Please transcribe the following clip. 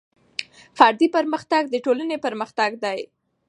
فردي پرمختګ د ټولنې پرمختګ دی.